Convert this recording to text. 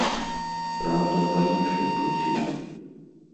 Праўда, па іншай прычыне.